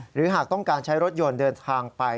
หากต้องการใช้รถยนต์เดินทางไป